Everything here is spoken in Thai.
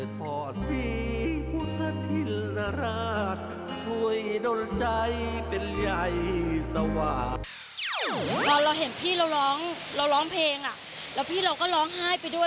ตอนเราเห็นพี่เราร้องเพลงพี่เราก็ร้องไห้ไปด้วย